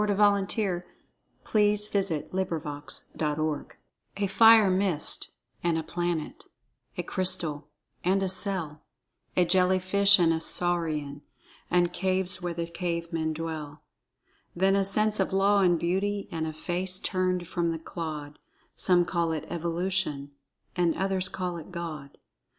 Thought in Action 219 [Pg 10] "A fire mist and a planet, A crystal and a cell, A jelly fish and a saurian, And caves where the cave men dwell; Then a sense of law and beauty, And a face turned from the clod,— Some call it Evolution, And others call it God."